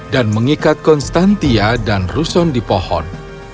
dan mengikat konstantia dan rusen di pohon